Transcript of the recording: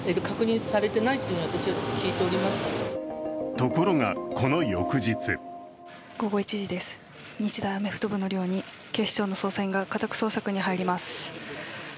ところが、この翌日午後１時です、日大アメフト部の寮に警視庁の捜査員が家宅捜索に入ります。